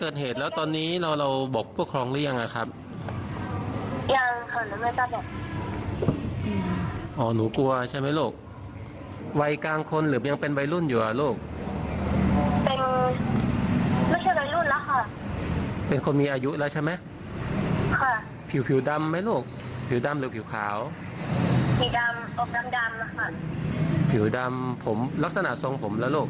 เกิดเหตุแล้วตอนนี้เราเราบอกปกครองหรือยังอ่ะครับยังค่ะหนูไม่รู้จักอ่ะอ๋อหนูกลัวใช่ไหมลูกวัยกลางคนหรือยังเป็นวัยรุ่นอยู่อ่ะลูกเป็นไม่ใช่วัยรุ่นแล้วค่ะเป็นคนมีอายุแล้วใช่ไหมค่ะผิวผิวดำไหมลูกผิวดำหรือผิวขาวผิวดำออกดำดำนะคะผิวดำผมลักษณะทรงผมแล้วลูก